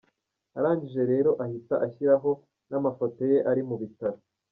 Arangije rero ahita ashyiraho n’amafote ye ari mubitaro.